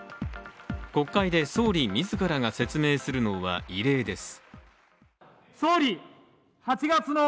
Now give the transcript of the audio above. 国会で総理自らが説明するのは異例です。